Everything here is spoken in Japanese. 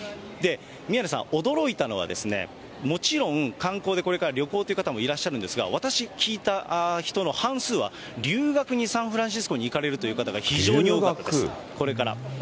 宮根さん、驚いたのは、もちろん観光でこれから旅行って方もいらっしゃるんですが、私、聞いた人の半数は、留学にサンフランシスコに行かれるって方が非常に多かったです、これから。